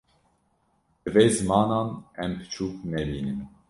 Divê zimanan em piçûk nebînin